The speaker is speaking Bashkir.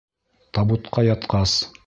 Табутҡа ятҡас.